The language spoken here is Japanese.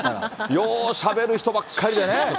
ようしゃべる人ばっかりでね。